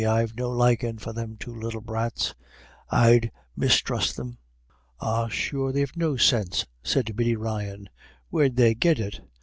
I've no likin' for them two little brats. I'd misthrust them." "Ah, sure they've no sinse," said Biddy Ryan. "Where'd they git it?